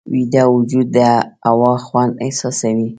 ویده وجود د هوا خوند احساسوي